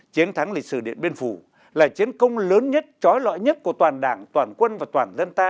chiến thắng lịch sử điện biên phủ là chiến công lớn nhất trói lọi nhất của toàn đảng toàn quân và toàn dân ta